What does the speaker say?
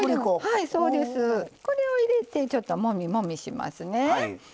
これを入れてちょっともみもみしますね。